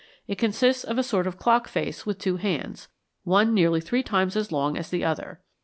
It consists of a sort of clock face with two hands, one nearly three times as long as the other.